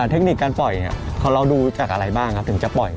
เทคนิคการปล่อยของเราดูจากอะไรบ้างครับถึงจะปล่อย